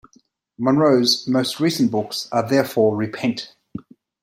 Munroe's most recent books are Therefore Repent!